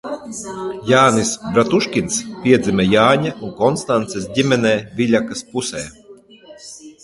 Jānis Bratuškins piedzima Jāņa un Konstances ģimenē Viļakas pusē.